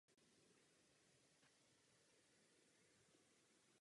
Pracoval jako poradce Centrální spořitelny ve Vídni.